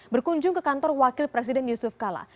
berkunjung ke kantor wakil presiden yusuf kala